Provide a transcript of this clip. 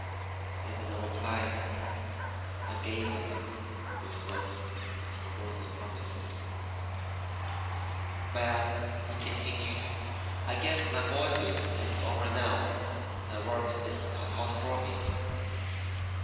They did not reply, but gazed at him with looks that were more than promises. "Well," he continued, "I guess my boyhood is over now. My work is cut out for me.